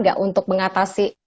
gak untuk mengatasi